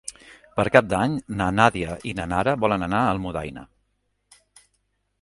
Per Cap d'Any na Nàdia i na Nara volen anar a Almudaina.